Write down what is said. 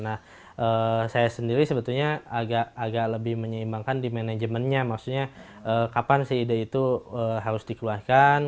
nah saya sendiri sebetulnya agak lebih menyeimbangkan di manajemennya maksudnya kapan sih ide itu harus dikeluarkan